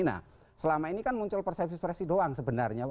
nah selama ini kan muncul persepsi persepsi doang sebenarnya